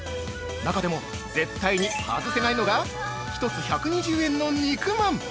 中でも絶対に外せないのが１つ１２０円の肉まん！